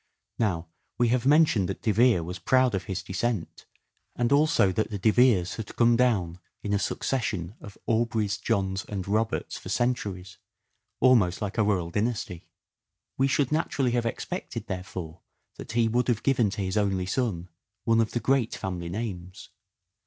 Now, we have mentioned that De Vere was proud of his descent, and also that the De Veres had come down in a succession of Aubreys, Johns, and Roberts for centuries almost like a royal dynasty. We should naturally have expected, there fore, that he would have given to his only son one of the great family names.